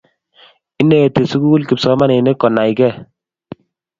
ineti sukul kipsomaninik kunaikei